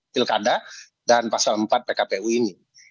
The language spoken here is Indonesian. pilkada dan pasal empat pkpu ini